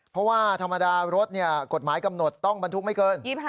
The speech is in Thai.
เพราะว่าธรรมดารถกฎหมายกำหนดต้องบรรทุกไม่เกิน๒๕